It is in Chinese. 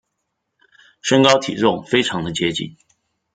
身高体重非常的接近